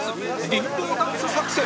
リンボーダンス作戦！